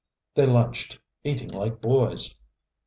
They lunched, eating like boys.